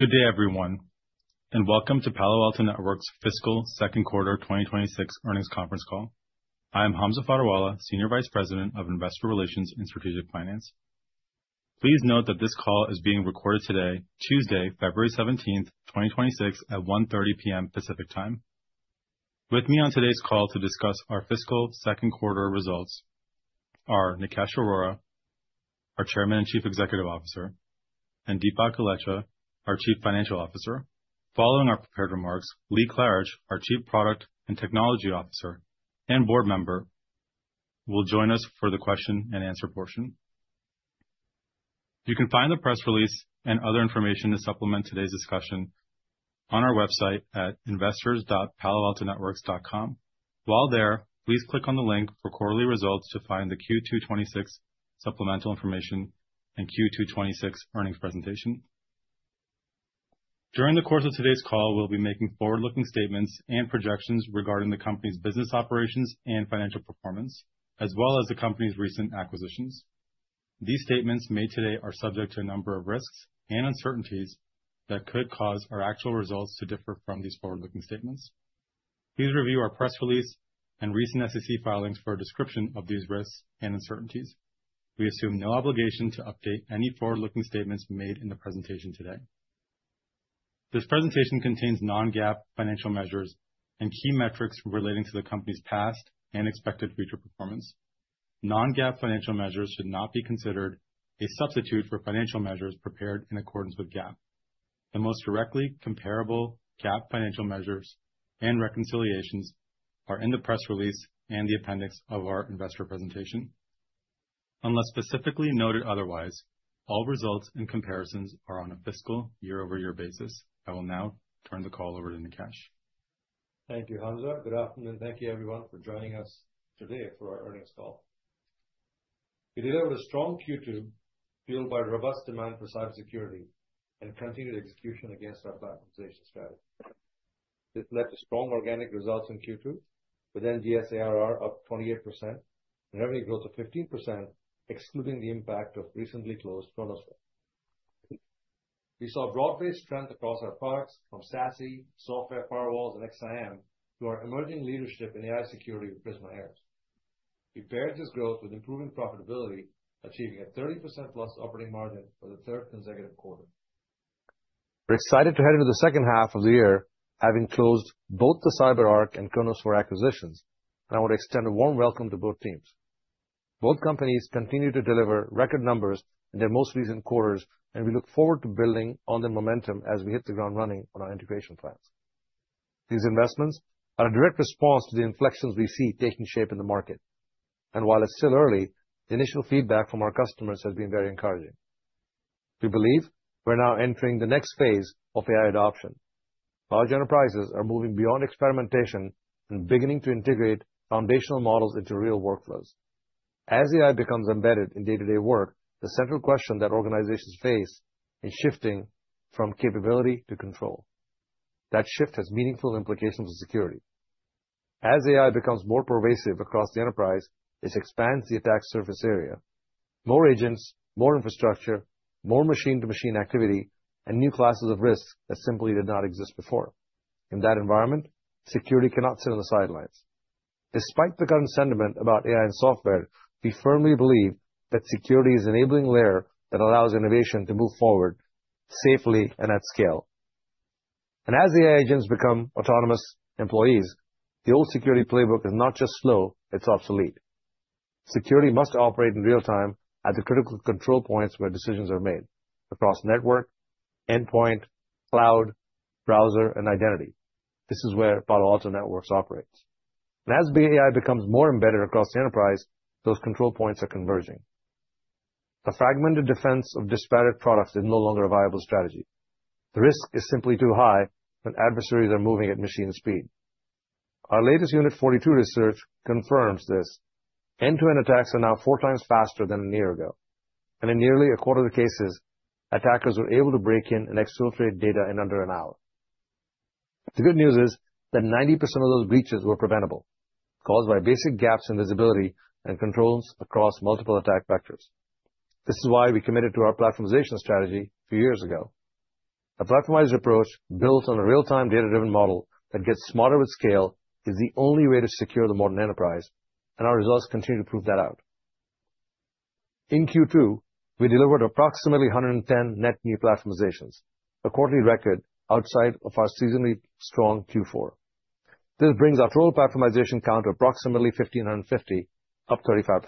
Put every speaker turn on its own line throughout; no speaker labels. Good day, everyone, and welcome to Palo Alto Networks Fiscal Second Quarter 2026 Earnings Conference Call. I am Hamza Fodderwala, Senior Vice President of Investor Relations and Strategic Finance. Please note that this call is being recorded today, Tuesday, February 17th, 2026, at 1:30 P.M. Pacific Time. With me on today's call to discuss our fiscal second quarter results are Nikesh Arora, our Chairman and Chief Executive Officer, and Dipak Golechha, our Chief Financial Officer. Following our prepared remarks, Lee Klarich, our Chief Product and Technology Officer and board member, will join us for the question-and-answer portion. You can find the press release and other information to supplement today's discussion on our website at investors.paloaltonetworks.com. While there, please click on the link for quarterly results to find the Q2 2026 supplemental information and Q2 2026 earnings presentation. During the course of today's call, we'll be making forward-looking statements and projections regarding the company's business operations and financial performance, as well as the company's recent acquisitions. These statements made today are subject to a number of risks and uncertainties that could cause our actual results to differ from these forward-looking statements. Please review our press release and recent SEC filings for a description of these risks and uncertainties. We assume no obligation to update any forward-looking statements made in the presentation today. This presentation contains non-GAAP financial measures and key metrics relating to the company's past and expected future performance. Non-GAAP financial measures should not be considered a substitute for financial measures prepared in accordance with GAAP. The most directly comparable GAAP financial measures and reconciliations are in the press release and the appendix of our investor presentation. Unless specifically noted otherwise, all results and comparisons are on a fiscal year-over-year basis. I will now turn the call over to Nikesh.
Thank you, Hamza. Good afternoon, thank you everyone for joining us today for our earnings call. We delivered a strong Q2, fueled by robust demand for cybersecurity and continued execution against our platformization strategy. This led to strong organic results in Q2, with NGS ARR up 28% and revenue growth of 15%, excluding the impact of recently closed Chronosphere. We saw broad-based strength across our products, from SASE, Software Firewalls, and XSIAM, to our emerging leadership in AI security with Prisma AIRS. We paired this growth with improving profitability, achieving a 30%+ operating margin for the third consecutive quarter. We're excited to head into the second half of the year, having closed both the CyberArk and Chronosphere acquisitions, and I want to extend a warm welcome to both teams. Both companies continue to deliver record numbers in their most recent quarters, and we look forward to building on the momentum as we hit the ground running on our integration plans. These investments are a direct response to the inflections we see taking shape in the market. While it's still early, the initial feedback from our customers has been very encouraging. We believe we're now entering the next phase of AI adoption. Large enterprises are moving beyond experimentation and beginning to integrate foundational models into real workflows. As AI becomes embedded in day-to-day work, the central question that organizations face is shifting from capability to control. That shift has meaningful implications for security. As AI becomes more pervasive across the enterprise, this expands the attack surface area. More agents, more infrastructure, more machine-to-machine activity, and new classes of risk that simply did not exist before. In that environment, security cannot sit on the sidelines. Despite the current sentiment about AI and software, we firmly believe that security is an enabling layer that allows innovation to move forward safely and at scale. As the AI agents become autonomous employees, the old security playbook is not just slow, it's obsolete. Security must operate in real time at the critical control points where decisions are made across network, endpoint, cloud, browser, and identity. This is where Palo Alto Networks operates. As AI becomes more embedded across the enterprise, those control points are converging. A fragmented defense of disparate products is no longer a viable strategy. The risk is simply too high when adversaries are moving at machine speed. Our latest Unit 42 research confirms this. End-to-end attacks are now four times faster than a year ago, and in nearly a quarter of the cases, attackers were able to break in and exfiltrate data in under an hour. The good news is that 90% of those breaches were preventable, caused by basic gaps in visibility and controls across multiple attack vectors. This is why we committed to our platformization strategy a few years ago. A platformized approach built on a real-time, data-driven model that gets smarter with scale is the only way to secure the modern enterprise, and our results continue to prove that out. In Q2, we delivered approximately 110 net new platformizations, a quarterly record outside of our seasonally strong Q4. This brings our total platformization count to approximately 1,550, up 35%.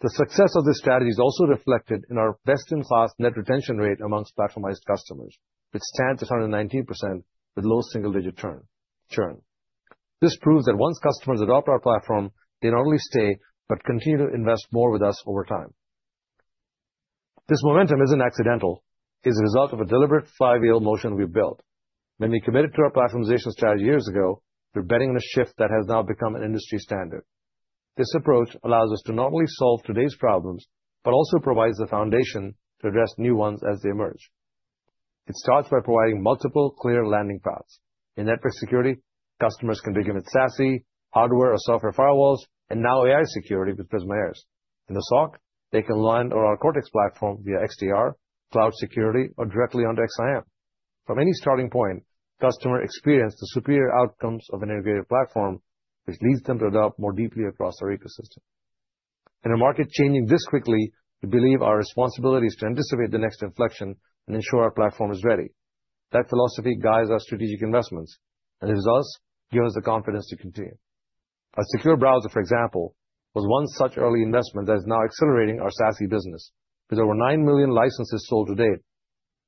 The success of this strategy is also reflected in our best-in-class net retention rate amongst platformized customers, which stands at 119% with low single-digit churn. This proves that once customers adopt our platform, they not only stay, but continue to invest more with us over time. This momentum isn't accidental, it's a result of a deliberate five-year motion we've built. When we committed to our platformization strategy years ago, we were betting on a shift that has now become an industry standard. This approach allows us to not only solve today's problems, but also provides the foundation to address new ones as they emerge. It starts by providing multiple clear landing paths. In Network Security, customers can begin with SASE, Hardware or Software Firewalls, and now AI security with Prisma AIRS.... In the SOC, they can land on our Cortex platform via XDR, cloud security, or directly onto XSIAM. From any starting point, customer experience the superior outcomes of an integrated platform, which leads them to adopt more deeply across our ecosystem. In a market changing this quickly, we believe our responsibility is to anticipate the next inflection and ensure our platform is ready. That philosophy guides our strategic investments, and it does give us the confidence to continue. A secure browser, for example, was one such early investment that is now accelerating our SASE business, with over 9 million licenses sold to date.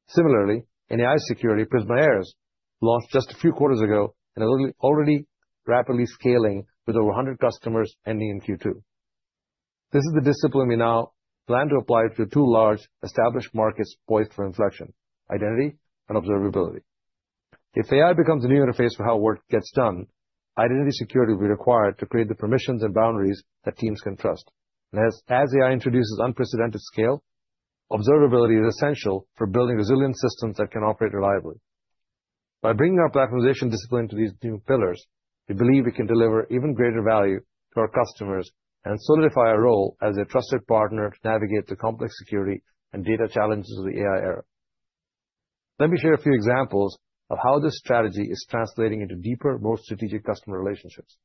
Similarly, in AI security, Prisma AIRS was launched just a few quarters ago and is already rapidly scaling with over 100 customers ending in Q2. This is the discipline we now plan to apply to two large established markets poised for inflection, identity and observability. If AI becomes the new interface for how work gets done, identity security will be required to create the permissions and boundaries that teams can trust. And as AI introduces unprecedented scale, observability is essential for building resilient systems that can operate reliably. By bringing our platformization discipline to these new pillars, we believe we can deliver even greater value to our customers and solidify our role as a trusted partner to navigate the complex security and data challenges of the AI era. Let me share a few examples of how this strategy is translating into deeper, more strategic customer relationships.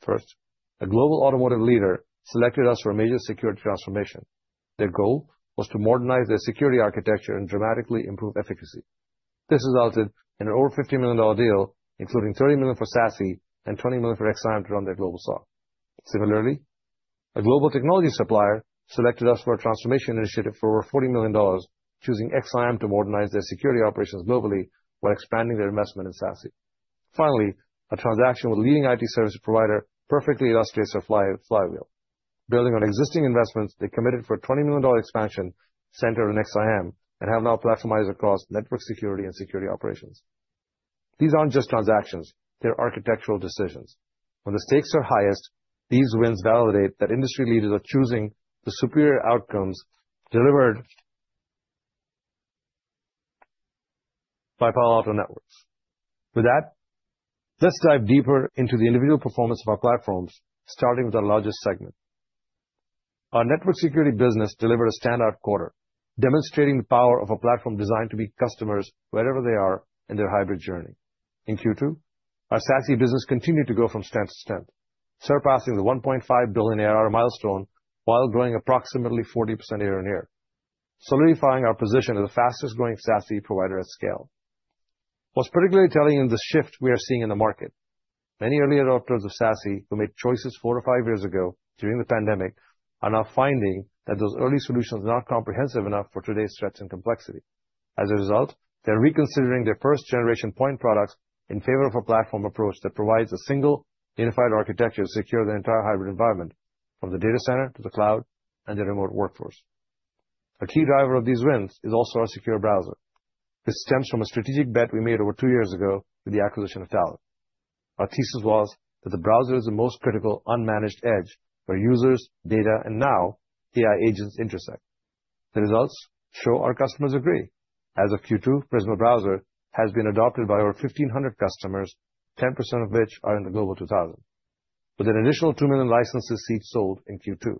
First, a global automotive leader selected us for a major security transformation. Their goal was to modernize their security architecture and dramatically improve efficacy. This resulted in an over $50 million deal, including $30 million for SASE and $20 million for XSIAM to run their global SOC. Similarly, a global technology supplier selected us for a transformation initiative for over $40 million, choosing XSIAM to modernize their security operations globally while expanding their investment in SASE. Finally, a transaction with a leading IT service provider perfectly illustrates our flywheel. Building on existing investments, they committed for a $20 million expansion centered on XSIAM and have now platformized across Network Security and security operations. These aren't just transactions, they're architectural decisions. When the stakes are highest, these wins validate that industry leaders are choosing the superior outcomes delivered... by Palo Alto Networks. With that, let's dive deeper into the individual performance of our platforms, starting with our largest segment. Our Network Security business delivered a standout quarter, demonstrating the power of a platform designed to meet customers wherever they are in their hybrid journey. In Q2, our SASE business continued to go from strength to strength, surpassing the $1.5 billion ARR milestone while growing approximately 40% year-on-year, solidifying our position as the fastest growing SASE provider at scale. What's particularly telling in the shift we are seeing in the market, many early adopters of SASE, who made choices four to five years ago during the pandemic, are now finding that those early solutions are not comprehensive enough for today's threats and complexity. As a result, they're reconsidering their first generation point products in favor of a platform approach that provides a single unified architecture to secure their entire hybrid environment, from the data center to the cloud and their remote workforce. A key driver of these wins is also our secure browser. This stems from a strategic bet we made over two years ago with the acquisition of Talon. Our thesis was that the browser is the most critical, unmanaged edge, where users, data, and now AI agents intersect. The results show our customers agree. As of Q2, Prisma Browser has been adopted by over 1,500 customers, 10% of which are in the Global 2,000, with an additional 2 million licenses since sold in Q2.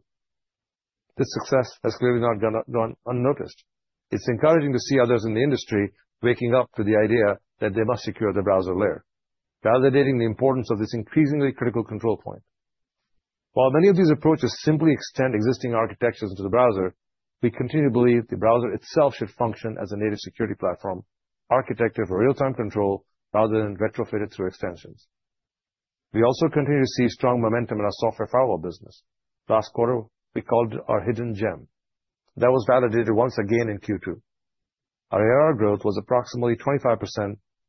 This success has clearly not gone unnoticed. It's encouraging to see others in the industry waking up to the idea that they must secure the browser layer, validating the importance of this increasingly critical control point. While many of these approaches simply extend existing architectures into the browser, we continue to believe the browser itself should function as a native security platform, architected for real-time control rather than retrofitted through extensions. We also continue to see strong momentum in our Software Firewall business. Last quarter, we called it our hidden gem. That was validated once again in Q2. Our ARR growth was approximately 25%,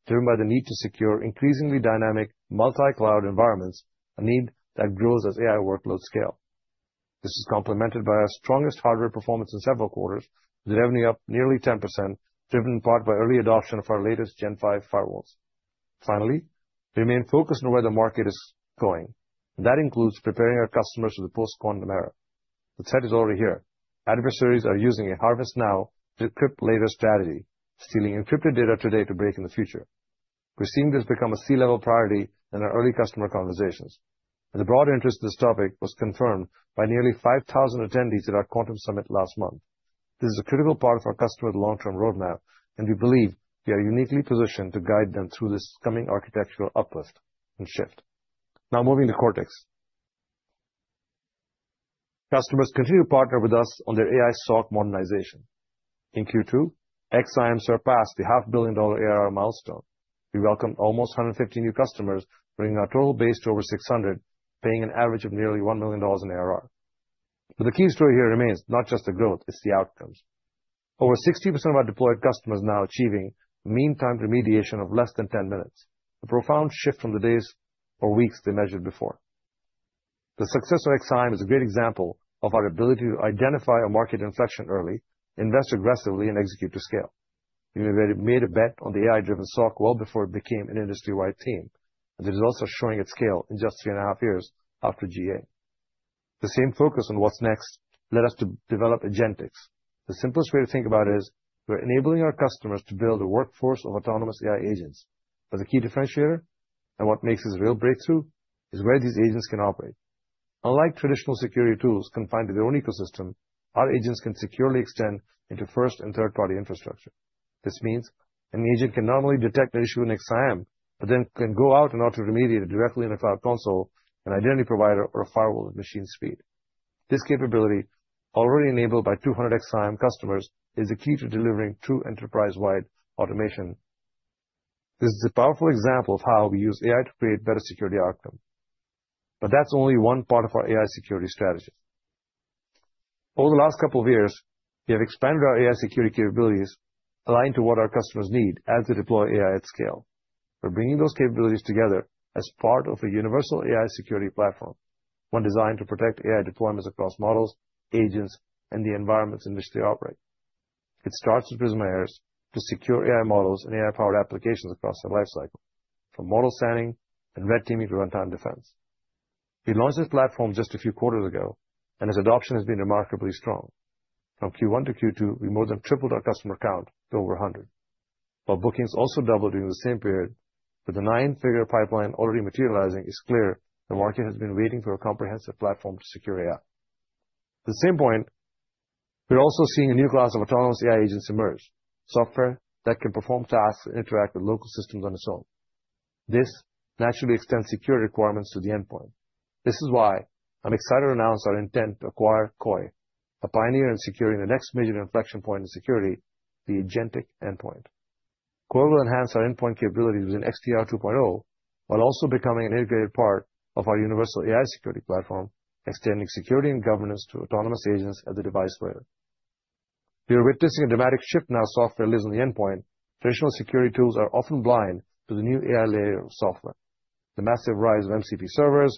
driven by the need to secure increasingly dynamic multi-cloud environments, a need that grows as AI workloads scale. This is complemented by our strongest hardware performance in several quarters, with revenue up nearly 10%, driven in part by early adoption of our latest Gen 5 Firewalls. Finally, we remain focused on where the market is going, and that includes preparing our customers for the post-quantum era. The threat is already here. Adversaries are using a harvest now, decrypt later strategy, stealing encrypted data today to break in the future. We're seeing this become a C-level priority in our early customer conversations, and the broad interest in this topic was confirmed by nearly 5,000 attendees at our Quantum Summit last month. This is a critical part of our customer's long-term roadmap, and we believe we are uniquely positioned to guide them through this coming architectural uplift and shift. Now, moving to Cortex. Customers continue to partner with us on their AI SOC modernization. In Q2, XSIAM surpassed the $500 million ARR milestone. We welcomed almost 150 new customers, bringing our total base to over 600, paying an average of nearly $1 million in ARR. But the key story here remains not just the growth, it's the outcomes. Over 60% of our deployed customers are now achieving mean time remediation of less than 10 minutes, a profound shift from the days or weeks they measured before. The success of XSIAM is a great example of our ability to identify a market inflection early, invest aggressively, and execute to scale. We made a bet on the AI-driven SOC well before it became an industry-wide team, and the results are showing at scale in just three and a half years after GA. The same focus on what's next led us to develop Cortex AgentiX. The simplest way to think about it is we're enabling our customers to build a workforce of autonomous AI agents. But the key differentiator? And what makes this a real breakthrough is where these agents can operate. Unlike traditional security tools confined to their own ecosystem, our agents can securely extend into first and third-party infrastructure. This means an agent can not only detect the issue in XSIAM, but then can go out and auto-remediate it directly in a cloud console, an identity provider, or a firewall at machine speed. This capability, already enabled by 200 XSIAM customers, is the key to delivering true enterprise-wide automation. This is a powerful example of how we use AI to create better security outcome. But that's only one part of our AI security strategy. Over the last couple of years, we have expanded our AI security capabilities aligned to what our customers need as they deploy AI at scale. We're bringing those capabilities together as part of a universal AI security platform, one designed to protect AI deployments across models, agents, and the environments in which they operate. It starts with Prisma AIRS to secure AI models and AI-powered applications across their life cycle, from model scanning and red teaming to runtime defense. We launched this platform just a few quarters ago, and its adoption has been remarkably strong. From Q1-Q2, we more than tripled our customer count to over 100. While bookings also doubled during the same period, with a nine-figure pipeline already materializing, it's clear the market has been waiting for a comprehensive platform to secure AI. At the same point, we're also seeing a new class of autonomous AI agents emerge, software that can perform tasks and interact with local systems on its own. This naturally extends security requirements to the endpoint. This is why I'm excited to announce our intent to acquire Koi, a pioneer in securing the next major inflection point in security, the agentic endpoint. Koi will enhance our endpoint capabilities within XDR 2.0, while also becoming an integrated part of our universal AI security platform, extending security and governance to autonomous agents at the device layer. We are witnessing a dramatic shift in how software lives on the endpoint. Traditional security tools are often blind to the new AI layer of software. The massive rise of MCP servers,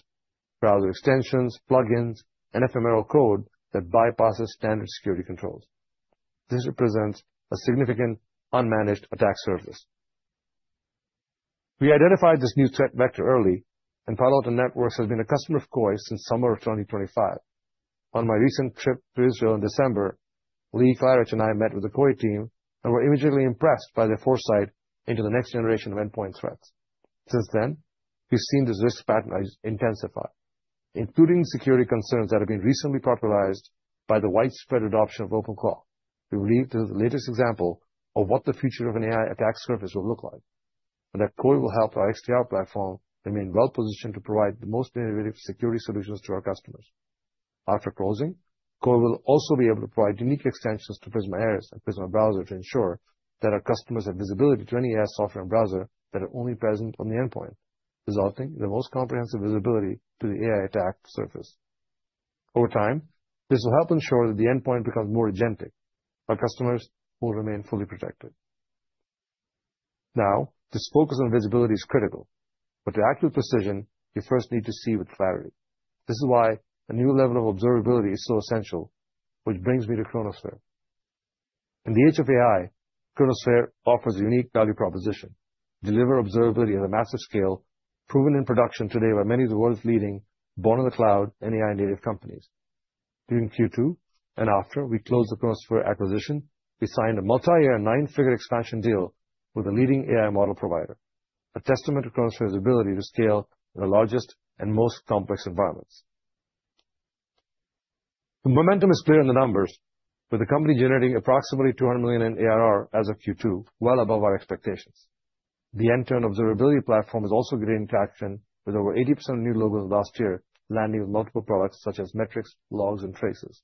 browser extensions, plugins, and ephemeral code that bypasses standard security controls. This represents a significant unmanaged attack surface. We identified this new threat vector early, and Palo Alto Networks has been a customer of Koi since summer of 2025. On my recent trip to Israel in December, Lee Klarich and I met with the Koi team and were immediately impressed by their foresight into the next generation of endpoint threats. Since then, we've seen this risk pattern intensify, including security concerns that have been recently popularized by the widespread adoption of OpenAI. We believe this is the latest example of what the future of an AI attack surface will look like, and that Koi will help our XDR platform remain well positioned to provide the most innovative security solutions to our customers. After closing, Koi will also be able to provide unique extensions to Prisma AIRS and Prisma Browser to ensure that our customers have visibility to any AI software and browser that are only present on the endpoint, resulting in the most comprehensive visibility to the AI attack surface. Over time, this will help ensure that the endpoint becomes more agentic. Our customers will remain fully protected. Now, this focus on visibility is critical, but to accurate precision, you first need to see with clarity. This is why a new level of observability is so essential, which brings me to Chronosphere. In the age of AI, Chronosphere offers a unique value proposition, deliver observability on a massive scale, proven in production today by many of the world's leading born-in-the-cloud and AI-native companies. During Q2, and after we closed the Chronosphere acquisition, we signed a multi-year, nine-figure expansion deal with a leading AI model provider, a testament to Chronosphere's ability to scale in the largest and most complex environments. The momentum is clear in the numbers, with the company generating approximately $200 million in ARR as of Q2, well above our expectations. The end-to-end observability platform is also getting traction, with over 80% of new logos last year, landing with multiple products such as metrics, logs, and traces.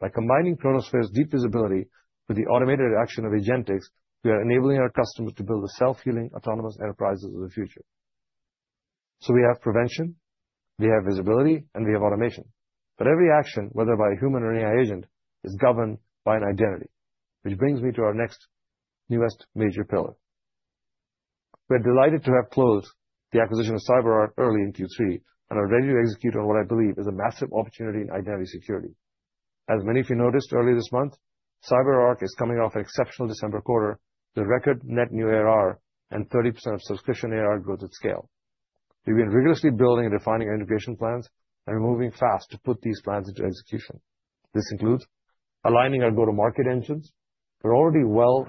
By combining Chronosphere's deep visibility with the automated action of AgentiX, we are enabling our customers to build the self-healing, autonomous enterprises of the future. So we have prevention, we have visibility, and we have automation. But every action, whether by a human or an AI agent, is governed by an identity, which brings me to our next newest major pillar. We're delighted to have closed the acquisition of CyberArk early in Q3, and are ready to execute on what I believe is a massive opportunity in identity security. As many of you noticed earlier this month, CyberArk is coming off an exceptional December quarter with record net new ARR and 30% of subscription ARR growth at scale. We've been rigorously building and refining our integration plans, and we're moving fast to put these plans into execution. This includes aligning our go-to-market engines. We're already well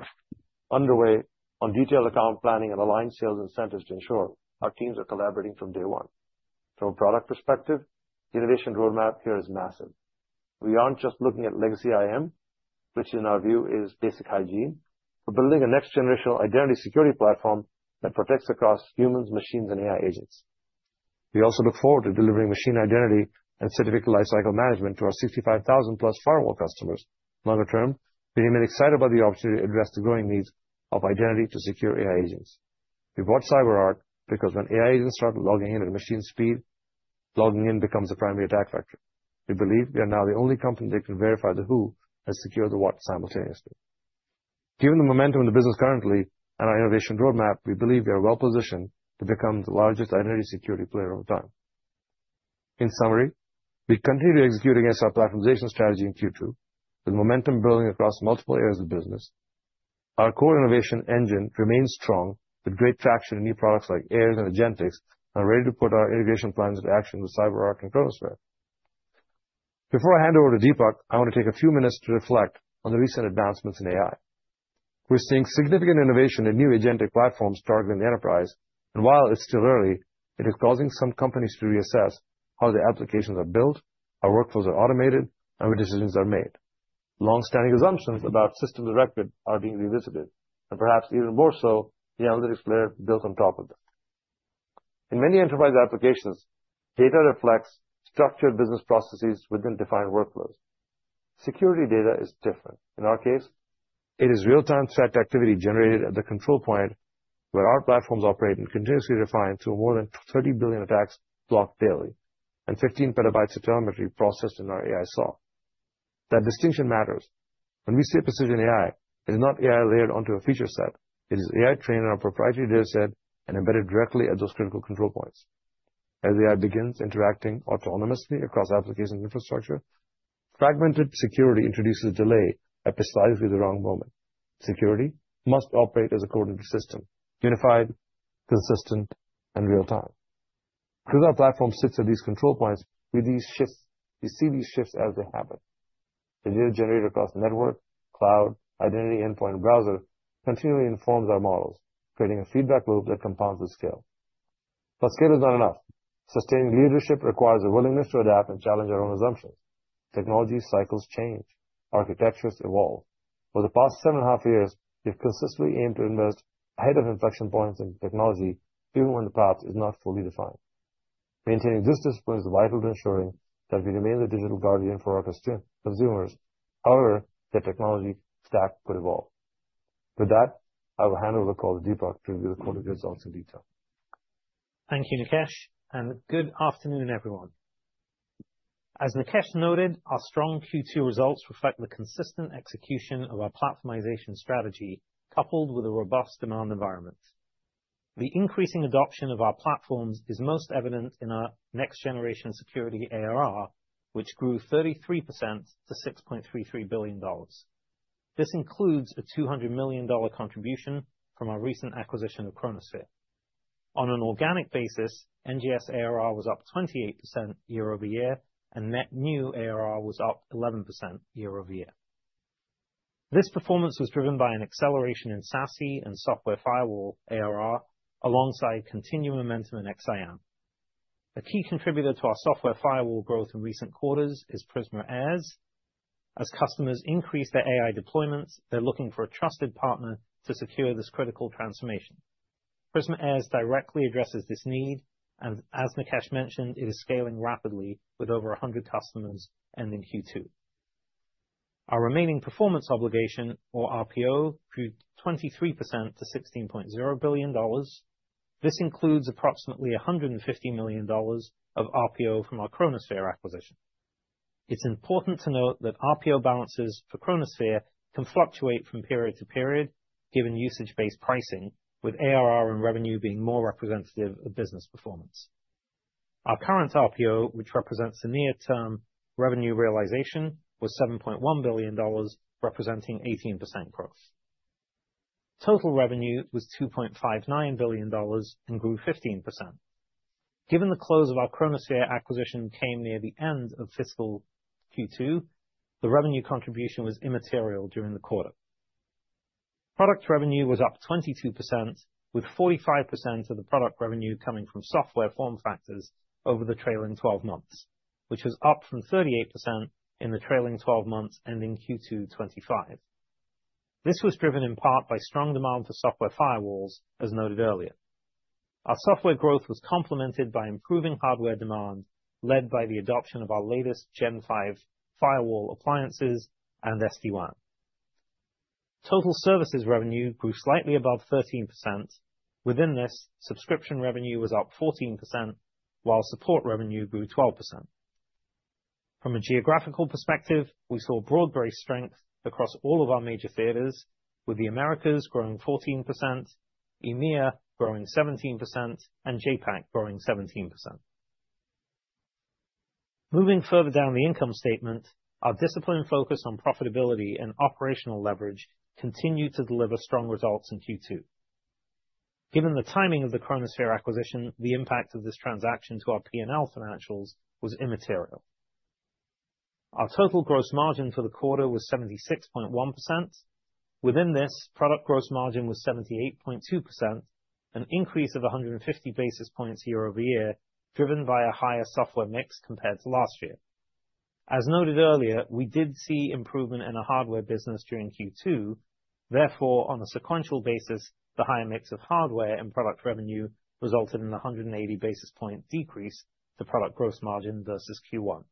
underway on detailed account planning and aligned sales incentives to ensure our teams are collaborating from day one. From a product perspective, the innovation roadmap here is massive. We aren't just looking at legacy IAM, which in our view is basic hygiene. We're building a next-generation identity security platform that protects across humans, machines, and AI agents. We also look forward to delivering machine identity and certificate lifecycle management to our 65,000+ firewall customers. Longer term, we remain excited about the opportunity to address the growing needs of identity to secure AI agents. We bought CyberArk because when AI agents start logging in at machine speed, logging in becomes a primary attack vector. We believe we are now the only company that can verify the who and secure the what simultaneously. Given the momentum in the business currently and our innovation roadmap, we believe we are well positioned to become the largest identity security player over time. In summary, we continued executing against our platformization strategy in Q2, with momentum building across multiple areas of the business. Our core innovation engine remains strong, with great traction in new products like AIRS and AgentiX, and are ready to put our innovation plans into action with CyberArk and Chronosphere. Before I hand over to Dipak, I want to take a few minutes to reflect on the recent advancements in AI. We're seeing significant innovation in new agentic platforms targeting the enterprise, and while it's still early, it is causing some companies to reassess how their applications are built, how workflows are automated, and what decisions are made. Long-standing assumptions about systems of record are being revisited, and perhaps even more so, the analytics layer built on top of them. In many enterprise applications, data reflects structured business processes within defined workflows. Security data is different. In our case, it is real-time threat activity generated at the control point, where our platforms operate and continuously refine to more than 30 billion attacks blocked daily and 15 PB of telemetry processed in our AI SOC. That distinction matters. When we see a Precision AI, it is not AI layered onto a feature set. It is AI trained on a proprietary data set and embedded directly at those critical control points. As AI begins interacting autonomously across application infrastructure, fragmented security introduces delay at precisely the wrong moment. Security must operate as a coordinated system, unified, consistent, and real time. Because our platform sits at these control points, with these shifts, we see these shifts as they happen. The data generated across the network, cloud, identity, endpoint, and browser, continually informs our models, creating a feedback loop that compounds with scale. But scale is not enough. Sustained leadership requires a willingness to adapt and challenge our own assumptions. Technology cycles change, architectures evolve. For the past seven and a half years, we've consistently aimed to invest ahead of inflection points in technology, even when the path is not fully defined. Maintaining this discipline is vital to ensuring that we remain the digital guardian for our consumers. However, the technology stack will evolve. With that, I will hand over the call to Dipak to review the quarter results in detail.
Thank you, Nikesh, and good afternoon, everyone. As Nikesh noted, our strong Q2 results reflect the consistent execution of our platformization strategy, coupled with a robust demand environment. The increasing adoption of our platforms is most evident in our Next-Generation Security ARR, which grew 33% to $6.33 billion. This includes a $200 million contribution from our recent acquisition of Chronosphere. On an organic basis, NGS ARR was up 28% year-over-year, and net new ARR was up 11% year-over-year. This performance was driven by an acceleration in SASE and Software Firewall ARR, alongside continuing momentum in XSIAM. A key contributor to our Software Firewall growth in recent quarters is Prisma AI. As customers increase their AI deployments, they're looking for a trusted partner to secure this critical transformation. Prisma AI directly addresses this need, and as Nikesh mentioned, it is scaling rapidly with over 100 customers ending Q2. Our remaining performance obligation, or RPO, grew 23% to $16.0 billion. This includes approximately $150 million of RPO from our Chronosphere acquisition. It's important to note that RPO balances for Chronosphere can fluctuate from period to period, given usage-based pricing, with ARR and revenue being more representative of business performance. Our current RPO, which represents a near-term revenue realization, was $7.1 billion, representing 18% growth. Total revenue was $2.59 billion and grew 15%. Given the close of our Chronosphere acquisition came near the end of fiscal Q2, the revenue contribution was immaterial during the quarter. Product revenue was up 22%, with 45% of the product revenue coming from software form factors over the trailing 12 months, which was up from 38% in the trailing 12 months ending Q2 2025. This was driven in part by strong demand for Software Firewalls, as noted earlier. Our software growth was complemented by improving hardware demand, led by the adoption of our latest Gen 5 Firewall appliances and SD-WAN. Total services revenue grew slightly above 13%. Within this, subscription revenue was up 14%, while support revenue grew 12%. From a geographical perspective, we saw broad-based strength across all of our major theaters, with the Americas growing 14%, EMEA growing 17%, and JAPAC growing 17%. Moving further down the income statement, our disciplined focus on profitability and operational leverage continued to deliver strong results in Q2. Given the timing of the Chronosphere acquisition, the impact of this transaction to our P&L financials was immaterial. Our total gross margin for the quarter was 76.1%. Within this, product gross margin was 78.2%, an increase of 150 basis points year-over-year, driven by a higher software mix compared to last year. As noted earlier, we did see improvement in the hardware business during Q2. Therefore, on a sequential basis, the higher mix of hardware and product revenue resulted in a 180 basis point decrease to product gross margin versus Q1.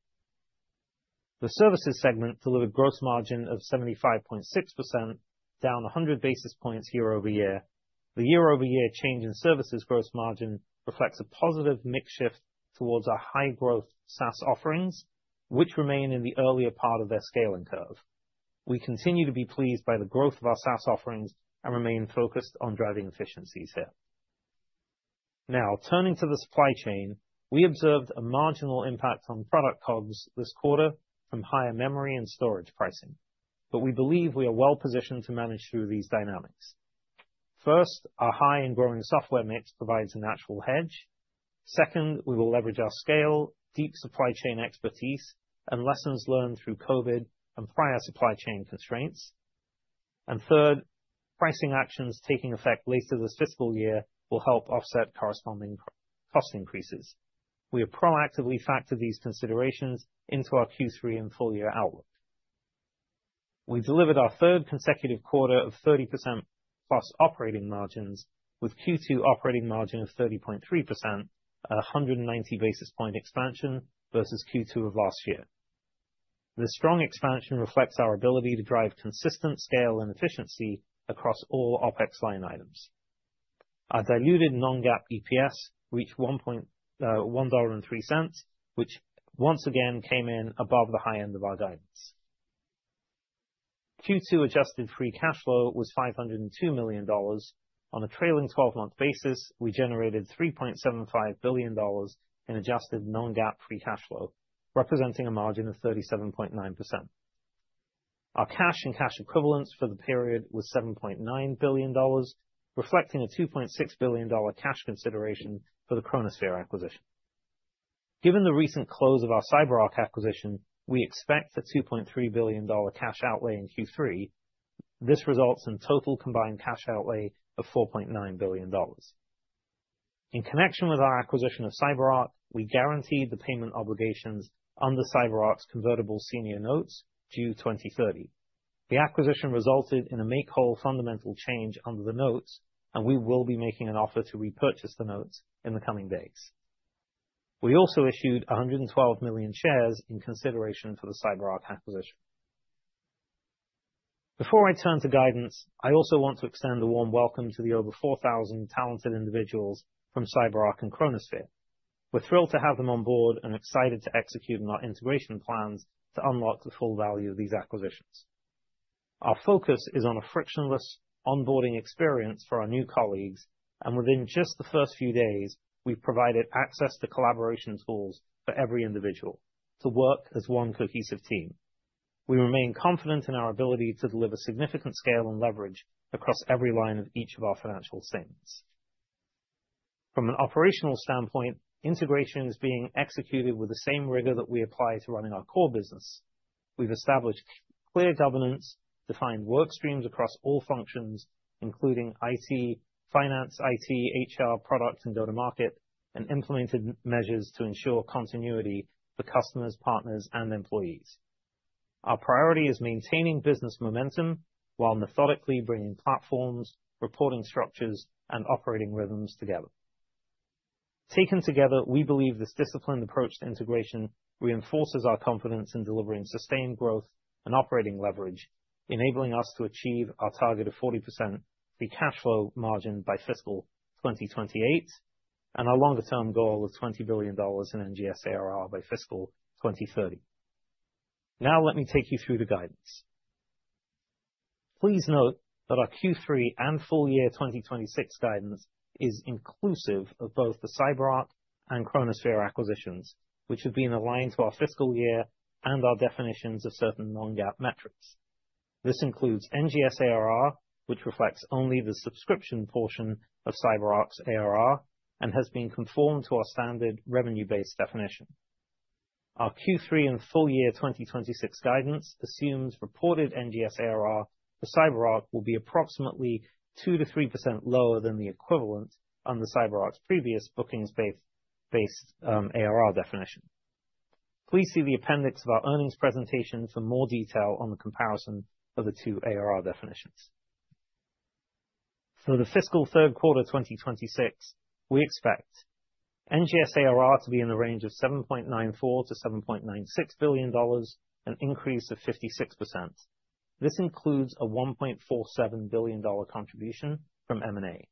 The services segment delivered gross margin of 75.6%, down 100 basis points year-over-year. The year-over-year change in services gross margin reflects a positive mix shift towards our high-growth SaaS offerings, which remain in the earlier part of their scaling curve. We continue to be pleased by the growth of our SaaS offerings and remain focused on driving efficiencies here. Now, turning to the supply chain, we observed a marginal impact on product COGS this quarter from higher memory and storage pricing, but we believe we are well positioned to manage through these dynamics. First, our high and growing software mix provides a natural hedge. Second, we will leverage our scale, deep supply chain expertise, and lessons learned through COVID and prior supply chain constraints. And third, pricing actions taking effect later this fiscal year will help offset corresponding price-cost increases. We have proactively factored these considerations into our Q3 and full year outlook. We delivered our third consecutive quarter of 30%+ operating margins, with Q2 operating margin of 30.3%, a 190 basis point expansion versus Q2 of last year. This strong expansion reflects our ability to drive consistent scale and efficiency across all OpEx line items. Our diluted non-GAAP EPS reached $1.03, which once again came in above the high end of our guidance. Q2 adjusted free cash flow was $502 million. On a trailing 12 month basis, we generated $3.75 billion in adjusted non-GAAP free cash flow, representing a margin of 37.9%. Our cash and cash equivalents for the period was $7.9 billion, reflecting a $2.6 billion cash consideration for the Chronosphere acquisition. Given the recent close of our CyberArk acquisition, we expect a $2.3 billion cash outlay in Q3. This results in total combined cash outlay of $4.9 billion. In connection with our acquisition of CyberArk, we guaranteed the payment obligations under CyberArk's convertible senior notes due 2030. The acquisition resulted in a make-whole fundamental change under the notes, and we will be making an offer to repurchase the notes in the coming days. We also issued 112 million shares in consideration for the CyberArk acquisition. Before I turn to guidance, I also want to extend a warm welcome to the over 4,000 talented individuals from CyberArk and Chronosphere. We're thrilled to have them on board and excited to execute on our integration plans to unlock the full value of these acquisitions. Our focus is on a frictionless onboarding experience for our new colleagues, and within just the first few days, we've provided access to collaboration tools for every individual to work as one cohesive team. We remain confident in our ability to deliver significant scale and leverage across every line of each of our financial statements. From an operational standpoint, integration is being executed with the same rigor that we apply to running our core business. We've established clear governance, defined work streams across all functions, including IT, finance, IT, HR, product, and go-to-market, and implemented measures to ensure continuity for customers, partners, and employees. Our priority is maintaining business momentum while methodically bringing platforms, reporting structures, and operating rhythms together. Taken together, we believe this disciplined approach to integration reinforces our confidence in delivering sustained growth and operating leverage, enabling us to achieve our target of 40% free cash flow margin by fiscal 2028, and our longer term goal of $20 billion in NGS ARR by fiscal 2030. Now, let me take you through the guidance. Please note that our Q3 and full year 2026 guidance is inclusive of both the CyberArk and Chronosphere acquisitions, which have been aligned to our fiscal year and our definitions of certain non-GAAP metrics. This includes NGS ARR, which reflects only the subscription portion of CyberArk's ARR and has been conformed to our standard revenue-based definition. Our Q3 and full year 2026 guidance assumes reported NGS ARR for CyberArk will be approximately 2%-3% lower than the equivalent on the CyberArk's previous bookings-based ARR definition. Please see the appendix of our earnings presentation for more detail on the comparison of the two ARR definitions. For the fiscal third quarter of 2026, we expect NGS ARR to be in the range of $7.94 billion-$7.96 billion, an increase of 56%. This includes a $1.47 billion contribution from M&A.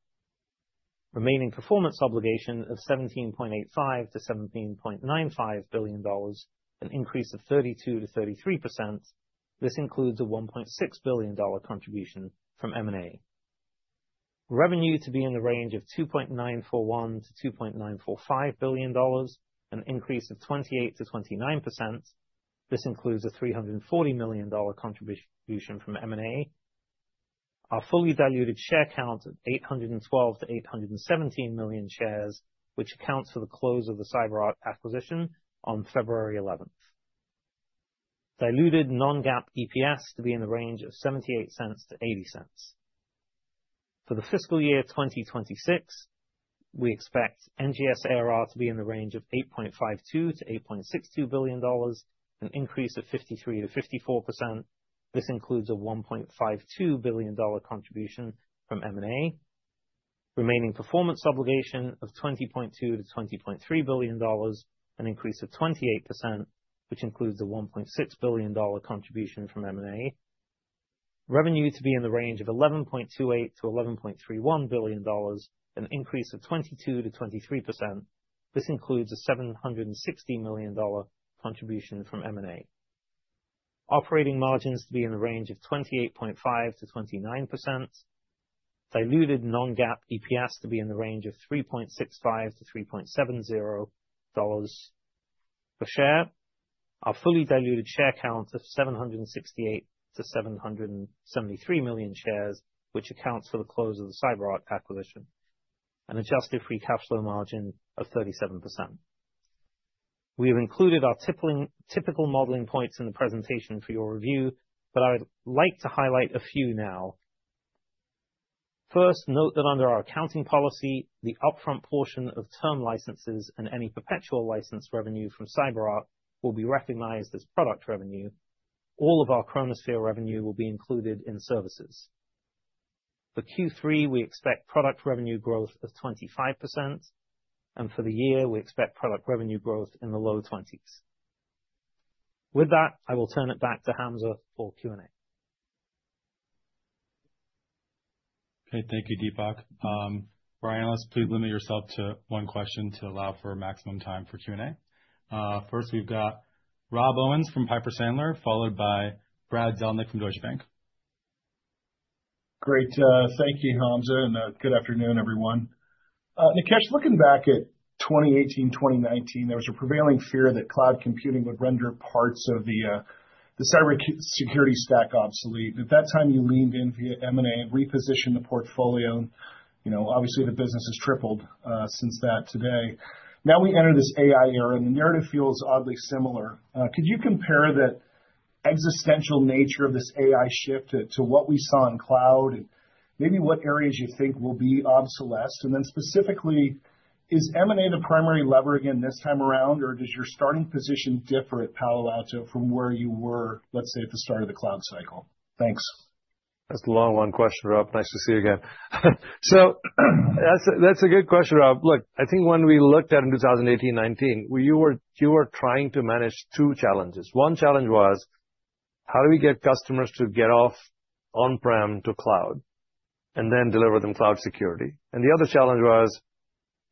Remaining performance obligation of $17.85 billion-$17.95 billion, an increase of 32%-33%. This includes a $1.6 billion contribution from M&A. Revenue to be in the range of $2.941 billion-$2.945 billion, an increase of 28%-29%. This includes a $340 million contribution from M&A. Our fully diluted share count of 812 million-817 million shares, which accounts for the close of the CyberArk acquisition on February 11th. Diluted non-GAAP EPS to be in the range of $0.78-$0.80. For the fiscal year 2026, we expect NGS ARR to be in the range of $8.52 billion-$8.62 billion, an increase of 53%-54%. This includes a $1.52 billion contribution from M&A. Remaining performance obligation of $20.2 billion-$20.3 billion, an increase of 28%, which includes a $1.6 billion contribution from M&A. Revenue to be in the range of $11.28 billion-$11.31 billion, an increase of 22%-23%. This includes a $760 million contribution from M&A. Operating margins to be in the range of 28.5%-29%. Diluted non-GAAP EPS to be in the range of $3.65-$3.70 per share. Our fully diluted share count of 768 million-773 million shares, which accounts for the close of the CyberArk acquisition, an adjusted free cash flow margin of 37%. We have included our typical modeling points in the presentation for your review, but I would like to highlight a few now. First, note that under our accounting policy, the upfront portion of term licenses and any perpetual license revenue from CyberArk will be recognized as product revenue. All of our Chronosphere revenue will be included in services. For Q3, we expect product revenue growth of 25%, and for the year, we expect product revenue growth in the low 20s. With that, I will turn it back to Hamza for Q&A.
Okay, thank you, Dipak. Brian, let's please limit yourself to one question to allow for maximum time for Q&A. First, we've got Rob Owens from Piper Sandler, followed by Brad Zelnick from Deutsche Bank.
Great, thank you, Hamza, and, good afternoon, everyone. Nikesh, looking back at 2018, 2019, there was a prevailing fear that cloud computing would render parts of the cybersecurity stack obsolete. At that time, you leaned in via M&A and repositioned the portfolio. You know, obviously, the business has tripled since that today. Now we enter this AI era, and the narrative feels oddly similar. Could you compare the existential nature of this AI shift to what we saw in cloud, and maybe what areas you think will be obsolesced? And then specifically, is M&A the primary lever again this time around, or does your starting position differ at Palo Alto from where you were, let's say, at the start of the cloud cycle? Thanks.
That's a long one question, Rob. Nice to see you again. So that's a good question, Rob. Look, I think when we looked at in 2018, 2019, you were trying to manage two challenges. One challenge was: How do we get customers to get off on-prem to cloud, and then deliver them cloud security? And the other challenge was,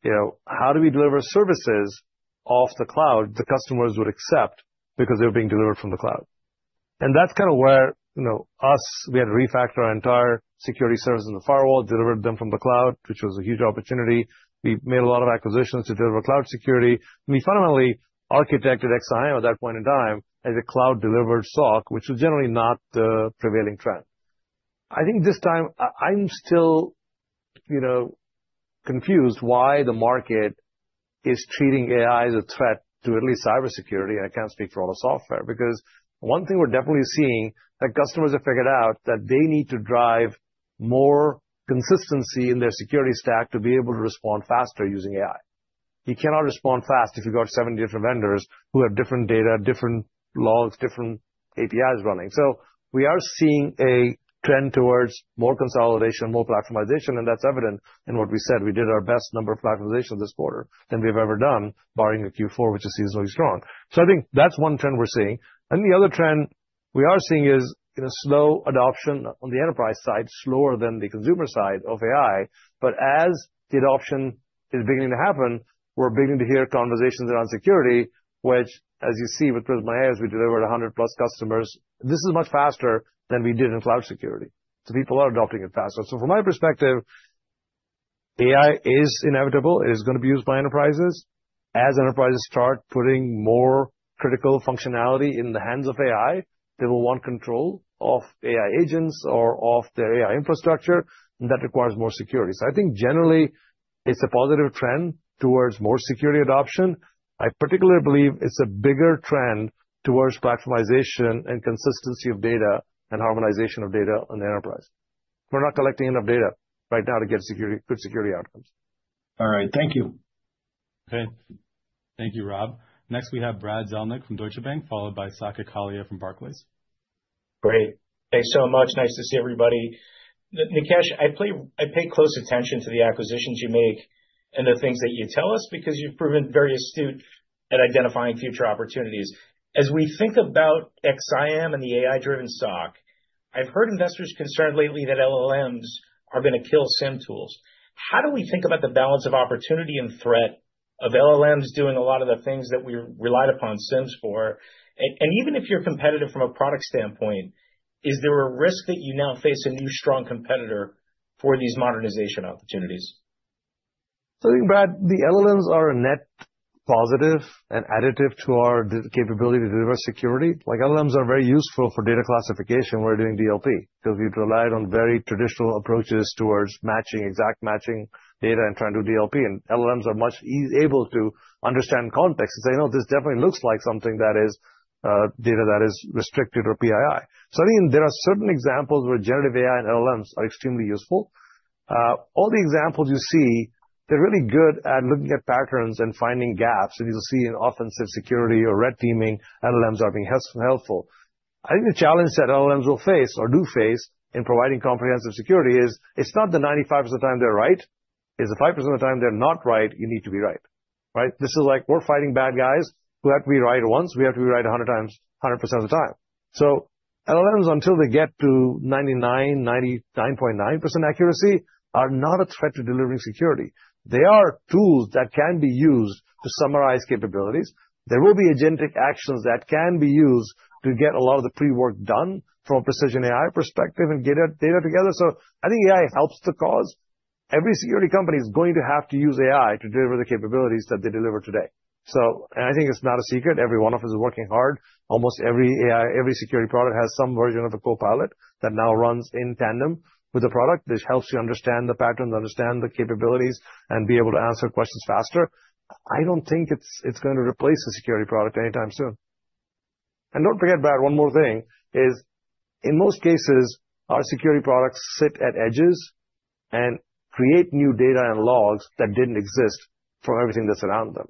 you know, how do we deliver services off the cloud the customers would accept because they were being delivered from the cloud? And that's kind of where, you know, we had to refactor our entire security services in the firewall, delivered them from the cloud, which was a huge opportunity. We made a lot of acquisitions to deliver cloud security. We finally architected XSIAM at that point in time as a cloud-delivered SOC, which was generally not the prevailing trend. I think this time, I'm still, you know, confused why the market is treating AI as a threat to at least cybersecurity, and I can't speak for all the software. Because one thing we're definitely seeing, that customers have figured out, that they need to drive more consistency in their security stack to be able to respond faster using AI. You cannot respond fast if you've got seven different vendors who have different data, different logs, different APIs running. So we are seeing a trend towards more consolidation, more platformization, and that's evident in what we said. We did our best number of platformization this quarter than we've ever done, barring the Q4, which is seasonally strong. So I think that's one trend we're seeing. And the other trend we are seeing is, you know, slow adoption on the enterprise side, slower than the consumer side of AI. But as the adoption is beginning to happen, we're beginning to hear conversations around security, which, as you see with Prisma AIRS, as we delivered 100+ customers, this is much faster than we did in cloud security. So people are adopting it faster. So from my perspective, AI is inevitable. It is gonna be used by enterprises. As enterprises start putting more critical functionality in the hands of AI, they will want control of AI agents or of their AI infrastructure, and that requires more security. So I think generally it's a positive trend towards more security adoption. I particularly believe it's a bigger trend towards platformization and consistency of data and harmonization of data on the enterprise. We're not collecting enough data right now to get security, good security outcomes.
All right. Thank you.
Okay. Thank you, Rob. Next, we have Brad Zelnick from Deutsche Bank, followed by Saket Kalia from Barclays.
Great. Thanks so much. Nice to see everybody. Nikesh, I pay close attention to the acquisitions you make and the things that you tell us, because you've proven very astute at identifying future opportunities. As we think about XSIAM and the AI-driven SOC, I've heard investors concerned lately that LLMs are gonna kill SIEM tools. How do we think about the balance of opportunity and threat of LLMs doing a lot of the things that we relied upon SIEMs for? And even if you're competitive from a product standpoint, is there a risk that you now face a new, strong competitor for these modernization opportunities?
So I think, Brad, the LLMs are a net positive and additive to our capability to deliver security. Like, LLMs are very useful for data classification when we're doing DLP, because we've relied on very traditional approaches towards matching, exact matching data and trying to do DLP, and LLMs are much able to understand context and say, "Oh, this definitely looks like something that is data that is restricted or PII." So I think there are certain examples where generative AI and LLMs are extremely useful. All the examples you see, they're really good at looking at patterns and finding gaps, and you'll see in offensive security or red teaming, LLMs are being helpful. I think the challenge that LLMs will face or do face in providing comprehensive security is, it's not the 95% of the time they're right, it's the 5% of the time they're not right, you need to be right, right? This is like we're fighting bad guys who have to be right once. We have to be right 100 times, 100% of the time. So LLMs, until they get to 99, 99.9% accuracy, are not a threat to delivering security. They are tools that can be used to summarize capabilities. There will be agentic actions that can be used to get a lot of the pre-work done from a precision AI perspective and get our data together. So I think AI helps the cause.... Every security company is going to have to use AI to deliver the capabilities that they deliver today. So, and I think it's not a secret, every one of us is working hard. Almost every AI, every security product has some version of a copilot that now runs in tandem with the product. This helps you understand the patterns, understand the capabilities, and be able to answer questions faster. I don't think it's going to replace the security product anytime soon. And don't forget about one more thing, is in most cases, our security products sit at edges and create new data and logs that didn't exist from everything that's around them.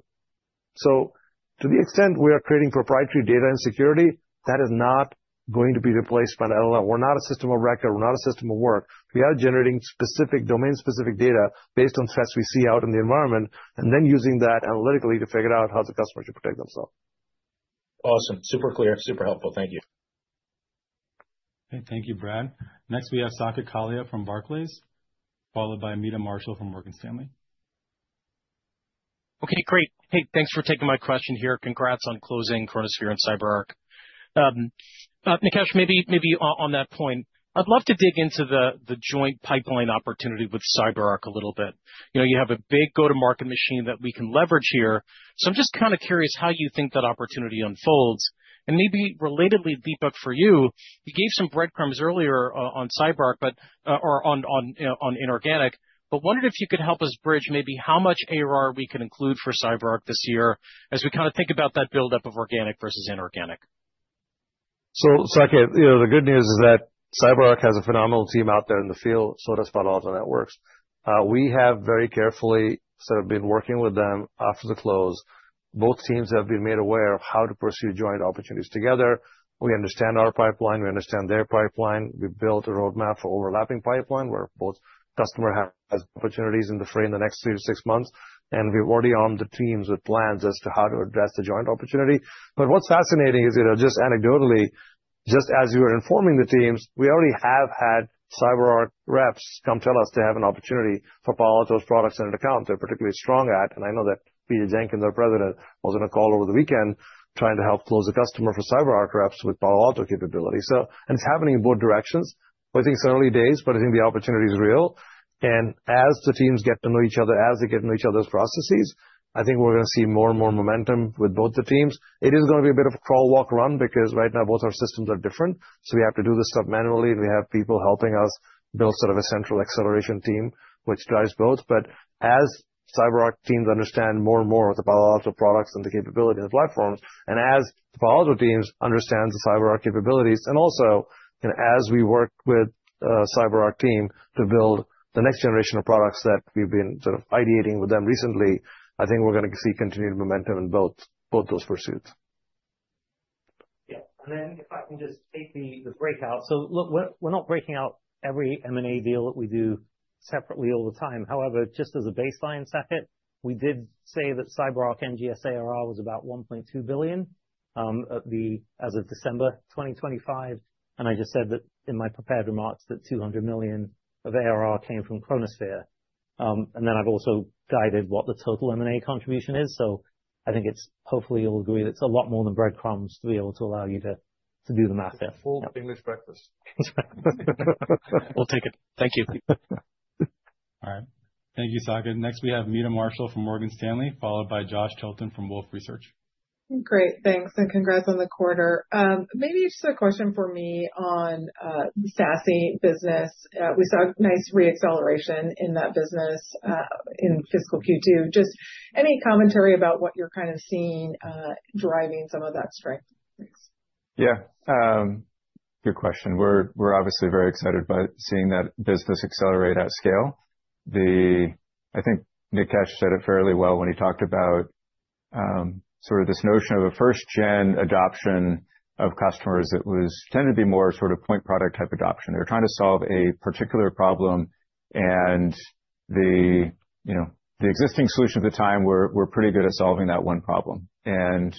So to the extent we are creating proprietary data and security, that is not going to be replaced by an LLM. We're not a system of record. We're not a system of work. We are generating specific domain-specific data based on threats we see out in the environment, and then using that analytically to figure out how the customer should protect themselves.
Awesome. Super clear. Super helpful. Thank you.
Okay, thank you, Brad. Next, we have Saket Kalia from Barclays, followed by Meta Marshall from Morgan Stanley.
Okay, great. Hey, thanks for taking my question here. Congrats on closing Chronosphere and CyberArk. Nikesh, maybe, maybe on, on that point, I'd love to dig into the, the joint pipeline opportunity with CyberArk a little bit. You know, you have a big go-to-market machine that we can leverage here, so I'm just kind of curious how you think that opportunity unfolds. And maybe relatedly, Dipak, for you, you gave some breadcrumbs earlier on, on CyberArk, but, or on, on, you know, on inorganic, but wondered if you could help us bridge maybe how much ARR we can include for CyberArk this year as we kind of think about that buildup of organic versus inorganic.
So, Saket, you know, the good news is that CyberArk has a phenomenal team out there in the field, so does Palo Alto Networks. We have very carefully sort of been working with them after the close. Both teams have been made aware of how to pursue joint opportunities together. We understand our pipeline, we understand their pipeline. We've built a roadmap for overlapping pipeline, where both customer have opportunities in the frame in the next three to six months, and we've already armed the teams with plans as to how to address the joint opportunity. But what's fascinating is, you know, just anecdotally, just as you were informing the teams, we already have had CyberArk reps come tell us they have an opportunity for Palo Alto products and an account they're particularly strong at. I know that Peter Zenke, their President, was on a call over the weekend trying to help close a customer for CyberArk reps with Palo Alto capability. And it's happening in both directions. I think it's early days, but I think the opportunity is real. And as the teams get to know each other, as they get to know each other's processes, I think we're gonna see more and more momentum with both the teams. It is gonna be a bit of a crawl, walk, run, because right now, both our systems are different, so we have to do this stuff manually. We have people helping us build sort of a central acceleration team, which drives both. But as CyberArk teams understand more and more of the Palo Alto products and the capability of the platforms, and as the Palo Alto teams understand the CyberArk capabilities, and also, you know, as we work with CyberArk team to build the next generation of products that we've been sort of ideating with them recently, I think we're gonna see continued momentum in both, both those pursuits.
Yeah. Then if I can just take the breakout. So look, we're not breaking out every M&A deal that we do separately all the time. However, just as a baseline, Saket, we did say that CyberArk NGS ARR was about $1.2 billion at the... as of December 2025. And I just said that in my prepared remarks, that $200 million of ARR came from Chronosphere. And then I've also guided what the total M&A contribution is. So I think it's hopefully you'll agree that it's a lot more than breadcrumbs to be able to allow you to do the math there.
Full English breakfast.
We'll take it. Thank you.
All right. Thank you, Saket. Next, we have Meta Marshall from Morgan Stanley, followed by Josh Tilton from Wolfe Research.
Great. Thanks, and congrats on the quarter. Maybe just a question for me on SASE business. We saw a nice reacceleration in that business in fiscal Q2. Just any commentary about what you're kind of seeing driving some of that strength? Thanks.
Yeah, good question. We're obviously very excited by seeing that business accelerate at scale. I think Nikesh said it fairly well when he talked about sort of this notion of a first-gen adoption of customers that was tended to be more sort of point product type adoption. They were trying to solve a particular problem, and you know, the existing solution at the time were pretty good at solving that one problem. And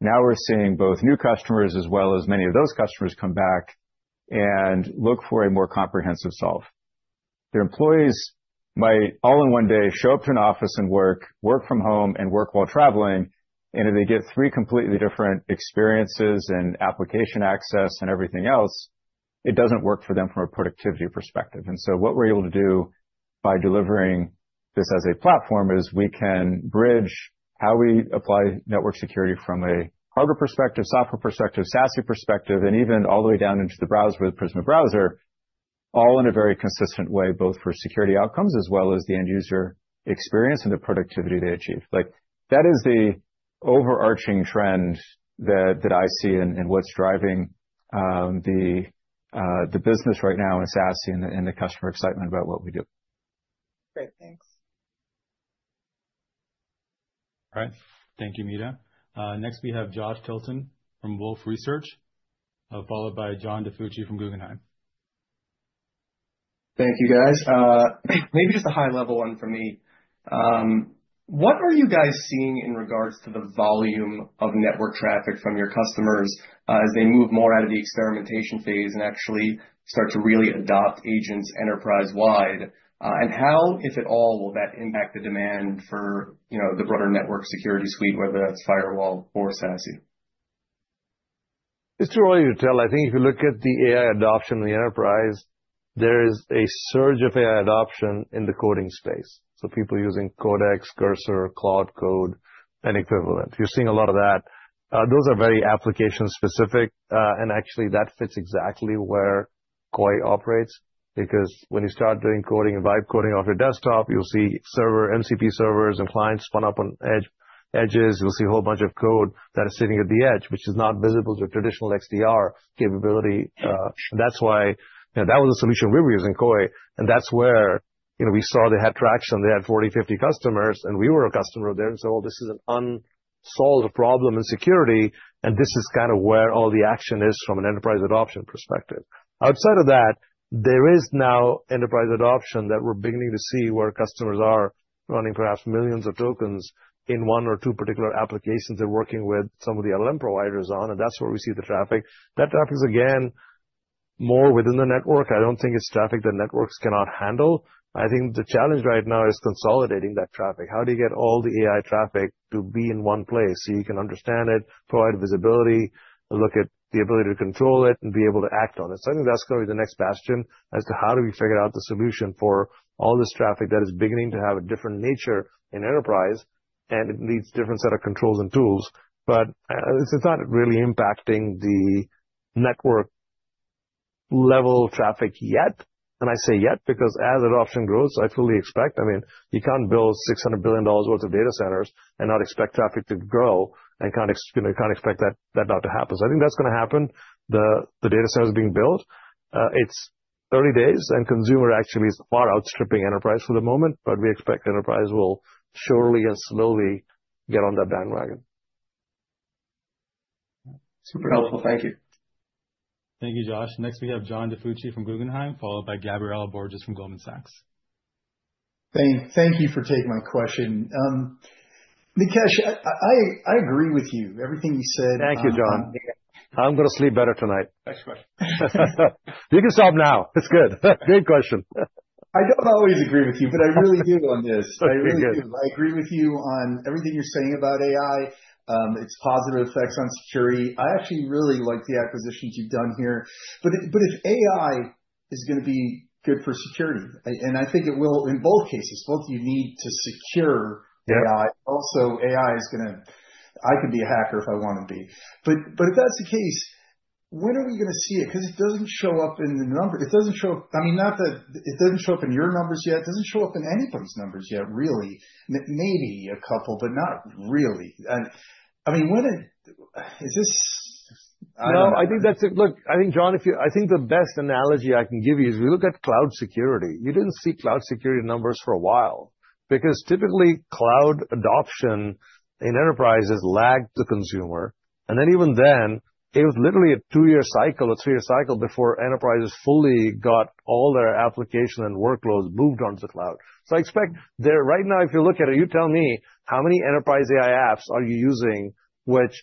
now we're seeing both new customers, as well as many of those customers, come back and look for a more comprehensive solve. Their employees might all in one day show up to an office and work from home, and work while traveling, and if they get three completely different experiences and application access and everything else, it doesn't work for them from a productivity perspective. And so what we're able to do by delivering this as a platform is we can bridge how we apply Network Security from a hardware perspective, software perspective, SASE perspective, and even all the way down into the browser with Prisma Browser, all in a very consistent way, both for security outcomes as well as the end user experience and the productivity they achieve. Like, that is the overarching trend that I see in what's driving the business right now in SASE and the customer excitement about what we do.
Great. Thanks.
All right. Thank you, Meta. Next, we have Josh Tilton from Wolfe Research, followed by John DiFucci from Guggenheim.
Thank you, guys. Maybe just a high-level one for me. What are you guys seeing in regards to the volume of network traffic from your customers as they move more out of the experimentation phase and actually start to really adopt agents enterprise-wide? And how, if at all, will that impact the demand for, you know, the broader Network Security suite, whether that's firewall or SASE?...
It's too early to tell. I think if you look at the AI adoption in the enterprise, there is a surge of AI adoption in the coding space. So people using Codex, Cursor, Cloud Code, and equivalent. You're seeing a lot of that. Those are very application specific, and actually, that fits exactly where Koi operates, because when you start doing coding and live coding off your desktop, you'll see servers, MCP servers and clients spun up on the edge, edges. You'll see a whole bunch of code that is sitting at the edge, which is not visible to traditional XDR capability. That's why, you know, that was the solution we were using, Koi, and that's where, you know, we saw they had traction. They had 40, 50 customers, and we were a customer of theirs, and so this is an unsolved problem in security, and this is kind of where all the action is from an enterprise adoption perspective. Outside of that, there is now enterprise adoption that we're beginning to see where customers are running perhaps millions of tokens in one or two particular applications they're working with some of the LLM providers on, and that's where we see the traffic. That traffic is, again, more within the network. I don't think it's traffic that networks cannot handle. I think the challenge right now is consolidating that traffic. How do you get all the AI traffic to be in one place so you can understand it, provide visibility, look at the ability to control it, and be able to act on it? So I think that's going to be the next bastion as to how do we figure out the solution for all this traffic that is beginning to have a different nature in enterprise, and it needs different set of controls and tools, but it's not really impacting the network level traffic yet. And I say yet, because as adoption grows, I fully expect... I mean, you can't build $600 billion worth of data centers and not expect traffic to grow and can't, you know, can't expect that, that not to happen. So I think that's going to happen. The data center is being built. It's early days, and consumer actually is far outstripping enterprise for the moment, but we expect enterprise will surely and slowly get on that bandwagon.
Super helpful. Thank you.
Thank you, Josh. Next, we have John DiFucci from Guggenheim, followed by Gabriela Borges from Goldman Sachs.
Thank you for taking my question. Nikesh, I agree with you, everything you said.
Thank you, John. I'm gonna sleep better tonight.
Next question.
You can stop now. It's good. Great question.
I don't always agree with you, but I really do on this.
Very good.
I agree with you on everything you're saying about AI, its positive effects on security. I actually really like the acquisitions you've done here. But if AI is gonna be good for security, and I think it will in both cases, you need to secure AI.
Yeah.
Also, AI is gonna... I can be a hacker if I want to be. But if that's the case, when are we gonna see it? 'Cause it doesn't show up in the numbers. It doesn't show up... I mean, not that it doesn't show up in your numbers yet. It doesn't show up in anybody's numbers yet, really. Maybe a couple, but not really. And I mean, when it is this? I don't know.
No, I think that's it. Look, I think, John, if you, I think the best analogy I can give you is if you look at cloud security, you didn't see cloud security numbers for a while, because typically, cloud adoption in enterprises lagged the consumer, and then even then, it was literally a two-year cycle, a three-year cycle, before enterprises fully got all their application and workloads moved onto the cloud. So I expect that right now, if you look at it, you tell me how many enterprise AI apps are you using which,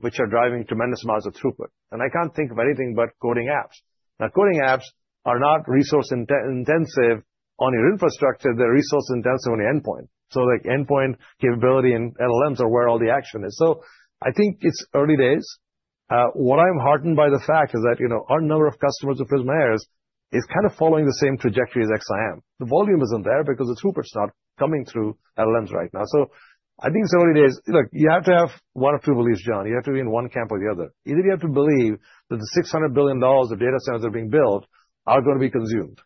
which are driving tremendous amounts of throughput? And I can't think of anything but coding apps. Now, coding apps are not resource intensive on your infrastructure. They're resource intensive on the endpoint. So, like, endpoint capability and LLMs are where all the action is. So I think it's early days. What I'm heartened by the fact is that, you know, our number of customers of Prisma AIRS is kind of following the same trajectory as XSIAM. The volume isn't there because the throughput's not coming through LLMs right now. So I think it's early days. Look, you have to have one of two beliefs, John. You have to be in one camp or the other. Either you have to believe that the $600 billion of data centers are being built are gonna be consumed.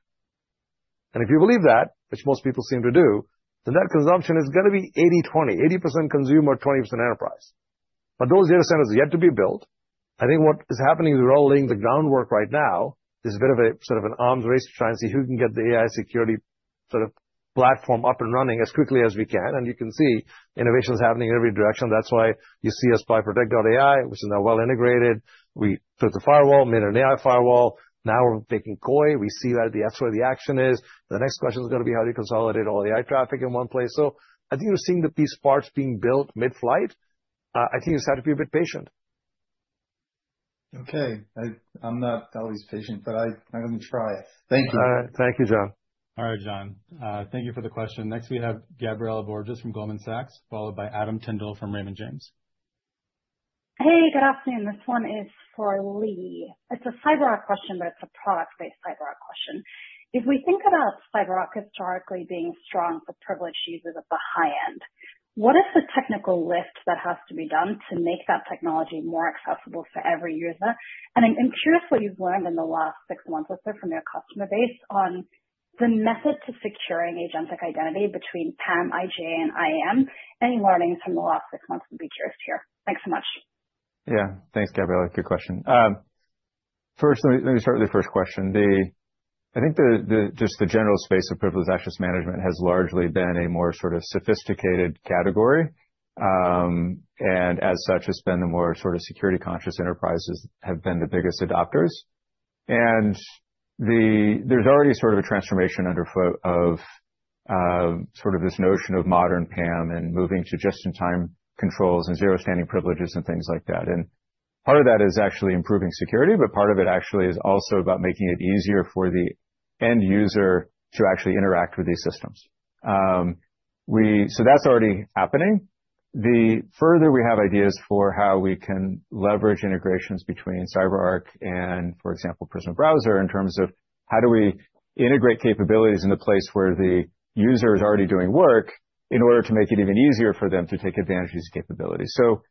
And if you believe that, which most people seem to do, then that consumption is gonna be 80/20, 80% consumer, 20% enterprise. But those data centers are yet to be built. I think what is happening is we're all laying the groundwork right now. There's a bit of a, sort of an arms race to try and see who can get the AI security sort of platform up and running as quickly as we can, and you can see innovation is happening in every direction. That's why you see us buy Protect AI, which is now well integrated. We took the firewall, made an AI firewall. Now we're taking Koi. We see that that's where the action is. The next question is gonna be how do you consolidate all the AI traffic in one place? So I think you're seeing the piece parts being built mid-flight. I think you just have to be a bit patient.
Okay. I'm not always patient, but I'm gonna try. Thank you.
Thank you, John.
All right, John, thank you for the question. Next, we have Gabriela Borges from Goldman Sachs, followed by Adam Tindle from Raymond James.
Hey, good afternoon. This one is for Lee. It's a CyberArk question, but it's a product-based CyberArk question. If we think about CyberArk historically being strong for privileged users at the high end, what is the technical lift that has to be done to make that technology more accessible for every user? And I'm, I'm curious what you've learned in the last six months or so from your customer base on the method to securing agentic identity between PAM, IAM, and XSIAM, any learnings from the last six months would be curious to hear. Thanks so much.
Yeah. Thanks, Gabriela. Good question. First, let me start with the first question. I think the just the general space of privileged access management has largely been a more sort of sophisticated category. And as such, it's been the more sort of security conscious enterprises have been the biggest adopters. And there's already sort of a transformation underfoot of sort of this notion of modern PAM and moving to just-in-time controls and Zero Standing Privileges and things like that. And part of that is actually improving security, but part of it actually is also about making it easier for the end user to actually interact with these systems. So that's already happening. The further we have ideas for how we can leverage integrations between CyberArk and, for example, Prisma Browser, in terms of how do we integrate capabilities in a place where the user is already doing work, in order to make it even easier for them to take advantage of these capabilities. So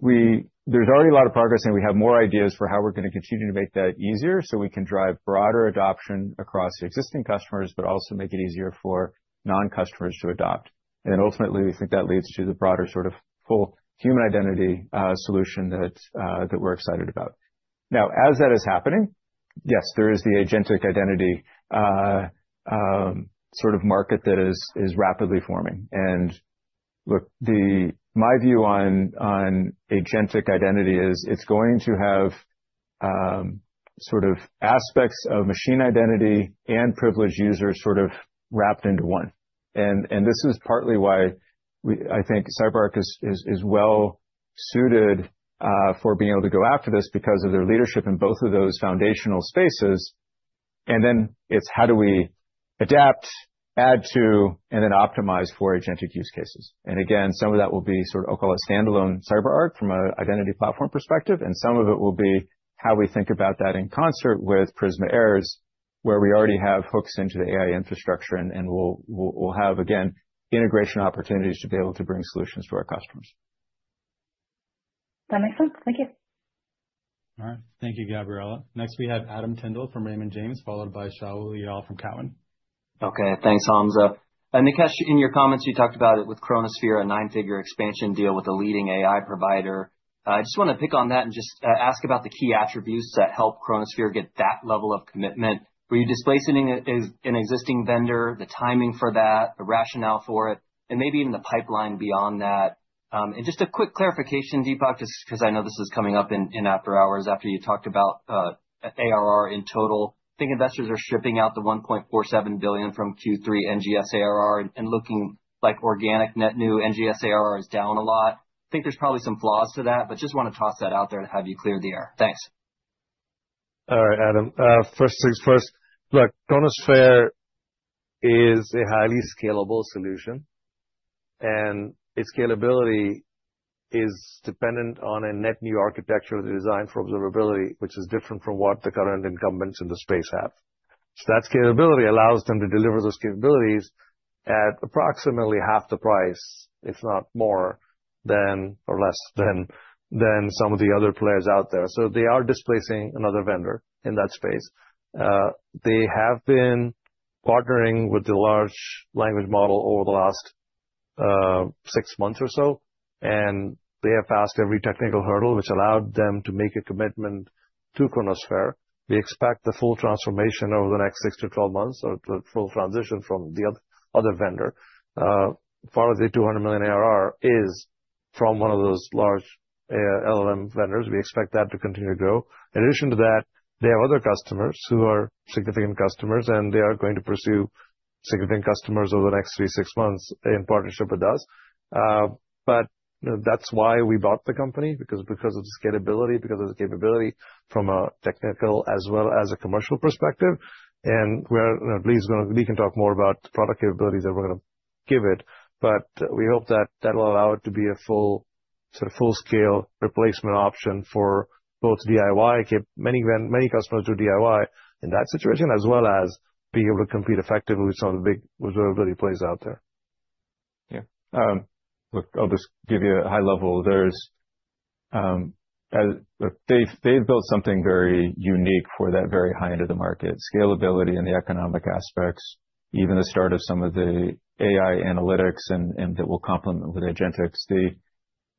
there's already a lot of progress, and we have more ideas for how we're going to continue to make that easier, so we can drive broader adoption across existing customers, but also make it easier for non-customers to adopt. And then, ultimately, we think that leads to the broader sort of full human identity solution that that we're excited about. Now, as that is happening, yes, there is the agentic identity sort of market that is rapidly forming. And look, my view on agentic identity is, it's going to have sort of aspects of machine identity and privileged users sort of wrapped into one. And this is partly why I think CyberArk is well suited for being able to go after this because of their leadership in both of those foundational spaces. And then it's how do we adapt, add to, and then optimize for agentic use cases? And again, some of that will be sort of, I'll call it standalone CyberArk from a identity platform perspective, and some of it will be how we think about that in concert with Prisma AIRS, where we already have hooks into the AI infrastructure, and we'll have, again, integration opportunities to be able to bring solutions to our customers.
That makes sense. Thank you.
All right. Thank you, Gabriela. Next, we have Adam Tindle from Raymond James, followed by Shaul Eyal from TD Cowen.
Okay, thanks, Hamza. And Nikesh, in your comments, you talked about it with Chronosphere, a nine-figure expansion deal with a leading AI provider. I just want to pick on that and just ask about the key attributes that help Chronosphere get that level of commitment. Were you displacing an existing vendor, the timing for that, the rationale for it, and maybe even the pipeline beyond that? And just a quick clarification, Dipak, just 'cause I know this is coming up in after hours, after you talked about ARR in total. I think investors are stripping out the $1.47 billion from Q3 NGS ARR and looking like organic net new NGS ARR is down a lot. I think there's probably some flaws to that, but just want to toss that out there and have you clear the air. Thanks.
All right, Adam. First things first, look, Chronosphere is a highly scalable solution, and its scalability is dependent on a net new architecture designed for observability, which is different from what the current incumbents in the space have. So that scalability allows them to deliver those capabilities at approximately half the price, if not more than, or less than, than some of the other players out there. So they are displacing another vendor in that space. They have been partnering with the large language model over the last six months or so, and they have passed every technical hurdle, which allowed them to make a commitment to Chronosphere. We expect the full transformation over the next six to 12 months, or the full transition from the other vendor. Part of the $200 million ARR is from one of those large LLM vendors. We expect that to continue to grow. In addition to that, there are other customers who are significant customers, and they are going to pursue significant customers over the next three to six months in partnership with us. But that's why we bought the company, because of the scalability, because of the capability from a technical as well as a commercial perspective. And we're pleased. We can talk more about the product capabilities that we're going to give it, but we hope that that will allow it to be a full, sort of, full-scale replacement option for both DIY. Many customers do DIY in that situation, as well as being able to compete effectively with some of the big observability players out there.
Yeah. Look, I'll just give you a high level. There's, they've built something very unique for that very high end of the market. Scalability and the economic aspects, even the start of some of the AI analytics and that will complement with agentics.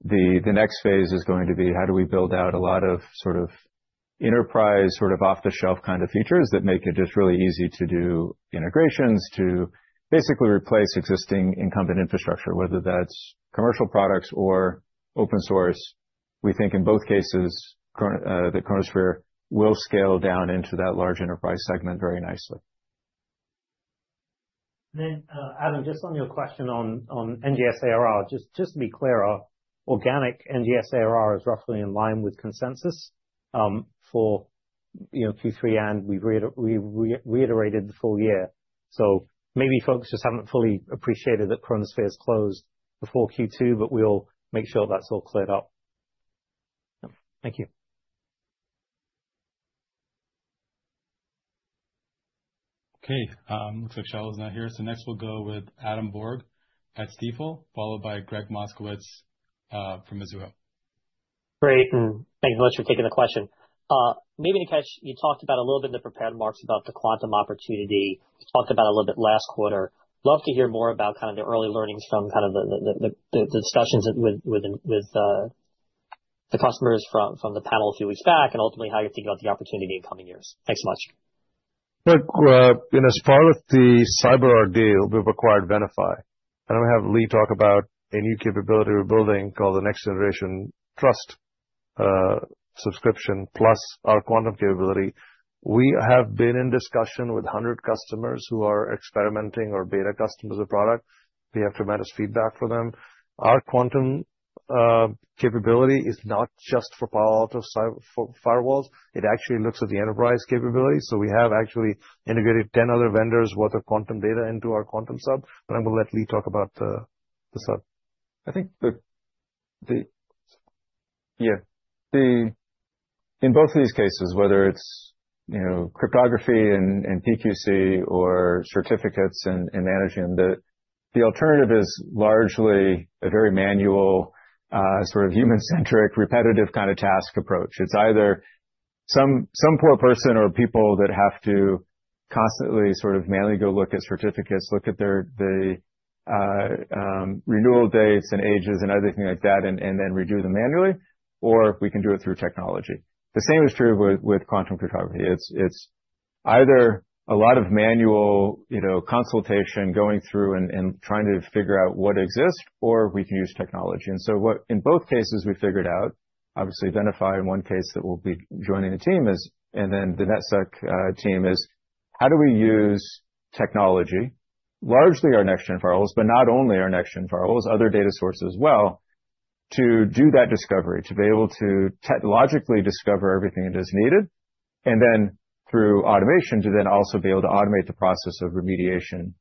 The next phase is going to be how do we build out a lot of sort of enterprise, sort of off-the-shelf kind of features that make it just really easy to do integrations, to basically replace existing incumbent infrastructure, whether that's commercial products or open source. We think in both cases, Chronosphere will scale down into that large enterprise segment very nicely.
Then, Adam, just on your question on NGS ARR, just to be clear, our organic NGS ARR is roughly in line with consensus, for, you know, Q3, and we've reiterated the full year. So maybe folks just haven't fully appreciated that Chronosphere is closed before Q2, but we'll make sure that's all cleared up. Thank you.
Okay, looks like Shaul is not here, so next we'll go with Adam Borg at Stifel, followed by Gregg Moskowitz from Mizuho.
Great, and thanks so much for taking the question. Uh, maybe, Nikesh, you talked about a little bit in the prepared remarks about the quantum opportunity. You talked about a little bit last quarter. Love to hear more about kind of the early learnings from kind of the discussions with the customers from the panel a few weeks back, and ultimately how you're thinking about the opportunity in coming years. Thanks so much.
Look, you know, as part of the CyberArk deal, we've acquired Venafi, and I'll have Lee talk about a new capability we're building called the Next Generation Trust subscription, plus our quantum capability. We have been in discussion with 100 customers who are experimenting our beta customers of products. We have tremendous feedback for them. Our quantum capability is not just for Palo Alto firewalls, it actually looks at the enterprise capability. So we have actually integrated 10 other vendors worth of quantum data into our quantum sub. But I'm going to let Lee talk about the sub.
I think that in both of these cases, whether it's, you know, cryptography and PQC or certificates and managing them, the alternative is largely a very manual sort of human-centric, repetitive kind of task approach. It's either some poor person or people that have to constantly sort of manually go look at certificates, look at their renewal dates and ages and everything like that, and then redo them manually, or we can do it through technology. The same is true with quantum cryptography. It's either a lot of manual, you know, consultation going through and trying to figure out what exists or we can use technology. And so, in both cases, we figured out, obviously, identity in one case that we'll be joining the team is, and then the NetSec team, is how do we use technology, largely our Next-Gen Firewalls, but not only our Next-Gen Firewalls, other data sources as well, to do that discovery, to be able to technologically discover everything that is needed, and then through automation, to then also be able to automate the process of remediation.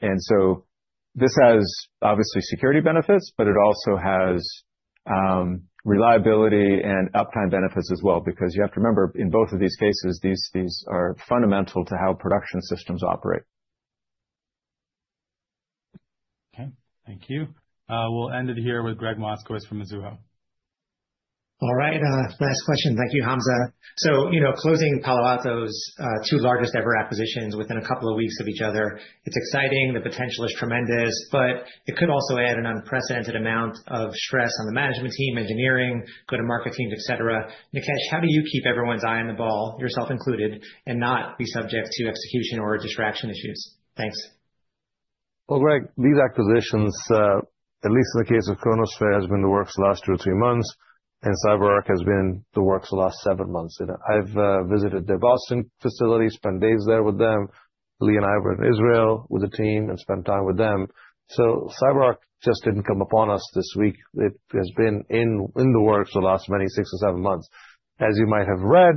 And so this has, obviously, security benefits, but it also has reliability and uptime benefits as well, because you have to remember, in both of these cases, these, these are fundamental to how production systems operate.
Okay, thank you. We'll end it here with Gregg Moskowitz from Mizuho.
All right, last question. Thank you, Hamza. So, you know, closing Palo Alto's two largest-ever acquisitions within a couple of weeks of each other, it's exciting, the potential is tremendous, but it could also add an unprecedented amount of stress on the management team, engineering, go-to-market teams, et cetera. Nikesh, how do you keep everyone's eye on the ball, yourself included, and not be subject to execution or distraction issues? Thanks.
Well, Gregg, these acquisitions, at least in the case of Chronosphere, has been in the works the last two or three months, and CyberArk has been in the works the last seven months. I've visited their Boston facility, spent days there with them. Lee and I were in Israel with the team and spent time with them. So CyberArk just didn't come upon us this week. It has been in the works for the last many six or seven months. As you might have read,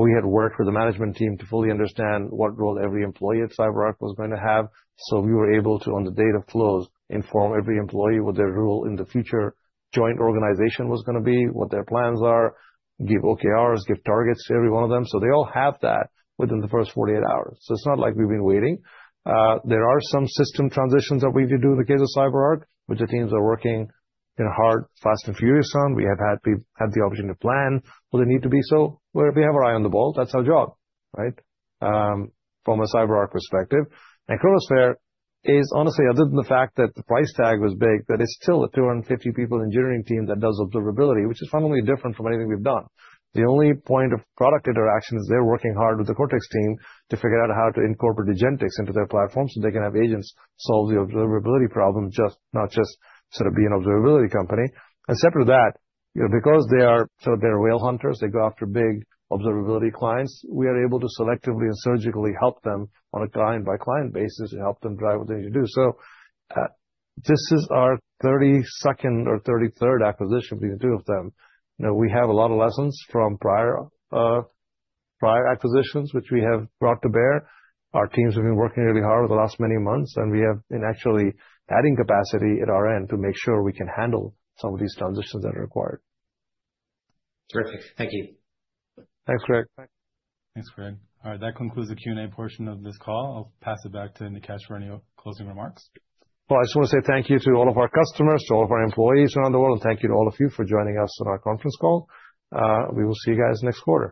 we had worked with the management team to fully understand what role every employee at CyberArk was going to have. So we were able to, on the date of close, inform every employee what their role in the future joint organization was going to be, what their plans are, give OKRs, give targets to every one of them. So they all have that within the first 48 hours. So it's not like we've been waiting. There are some system transitions that we need to do in the case of CyberArk, which the teams are working in a hard, fast and furious on. We have had the, had the opportunity to plan, where they need to be. So we have our eye on the ball. That's our job, right? From a CyberArk perspective. And Chronosphere is honestly, other than the fact that the price tag was big, that it's still a 250 people engineering team that does observability, which is fundamentally different from anything we've done. The only point of product interaction is they're working hard with the Cortex team to figure out how to incorporate agentic into their platform, so they can have agents solve the observability problem, just, not just sort of be an observability company. Except for that, you know, because they are sort of they're whale hunters, they go after big observability clients, we are able to selectively and surgically help them on a client-by-client basis and help them drive what they need to do. So, this is our 32nd or 33rd acquisition between the two of them. You know, we have a lot of lessons from prior, prior acquisitions, which we have brought to bear. Our teams have been working really hard over the last many months, and we have been actually adding capacity at our end to make sure we can handle some of these transitions that are required.
Terrific. Thank you.
Thanks, Gregg.
Thanks, Gregg. All right, that concludes the Q&A portion of this call. I'll pass it back to Nikesh for any closing remarks.
Well, I just want to say thank you to all of our customers, to all of our employees around the world. Thank you to all of you for joining us on our conference call. We will see you guys next quarter.